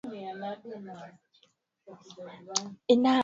au nk Hivyo mtawa anaweza kuwa na maisha ya kutotoka katika nyumba